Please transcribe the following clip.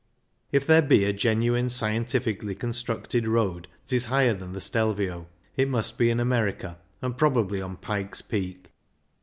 If there be a genuine scienti fically constructed road that is higher than the Stelvio, it must be in America, and probably on Pike's Peak.